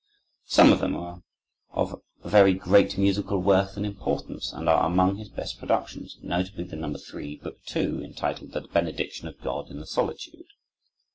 Some of them are of very great musical worth and importance, and are among his best productions, notably, the No. 3, Book 2, entitled "The Benediction of God in the Solitude."